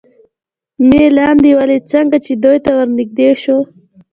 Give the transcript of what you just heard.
مې لاندې ولید، څنګه چې دوی ته ور نږدې شو.